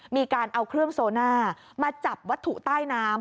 มีการเอาเครื่องโซน่ามาจับวัตถุใต้น้ำ